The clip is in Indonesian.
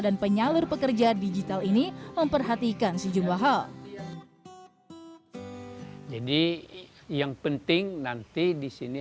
dan penyalur pekerja digital ini memperhatikan sejumlah hal jadi yang penting nanti di sini